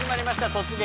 「突撃！